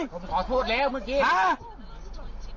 ผมขอโทษแล้วเมื่อกี้